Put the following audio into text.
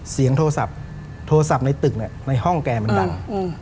เสียงโทรศัพท์โทรศัพท์ในตึกเนี่ยในห้องแกมันดัง